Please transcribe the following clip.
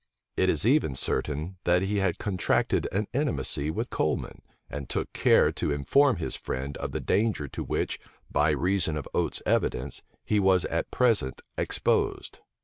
It is even certain, that he had contracted an intimacy with Coleman, and took care to inform his friend of the danger to which, by reason of Oates's evidence, he was at present exposed.